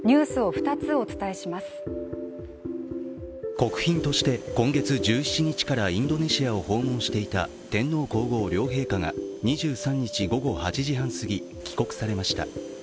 国賓として今月１７日からインドネシアを訪問していた天皇皇后両陛下が、２３日午後８時半過ぎ帰国されました。